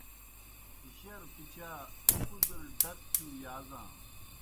جروْ پِچا کُدل ڈک تِھیؤ یازانوْ۔